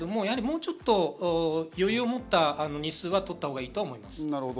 やはりもうちょっと余裕をもった日数は取ったほうがいいとは思います。